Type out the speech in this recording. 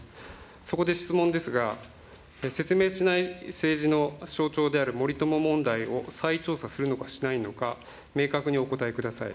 そこで質問ですが、説明しない政治の象徴である森友問題を再調査するのかしないのか、明確にお答えください。